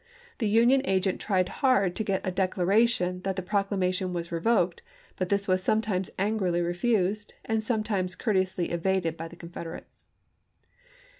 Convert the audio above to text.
The Union agent tried hard to get a declaration that the proclamation was revoked, but this was sometimes angrily refused and sometimes courteously evaded by the Confederates.